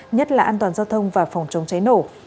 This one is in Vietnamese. nhất là an toàn giao thông và phòng chống cháy nổ